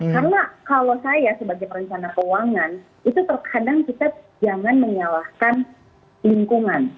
karena kalau saya sebagai perencana keuangan itu terkadang kita jangan menyalahkan lingkungan